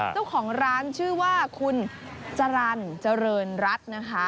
เจ้าของร้านชื่อว่าคุณจรรย์เจริญรัฐนะคะ